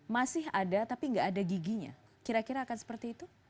masih ada tapi nggak ada giginya kira kira akan seperti itu